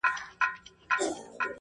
زېری مو راباندي ریشتیا سوي مي خوبونه دي؛